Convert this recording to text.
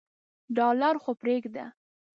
ډالر خو پریږده.